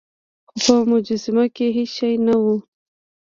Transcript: خو په مجسمه کې هیڅ شی نه و.